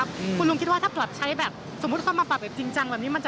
ครับคุณลุงคิดว่าถ้าสมมุติข้อมาปรับแบบจริงจังแบบนี้มันจะ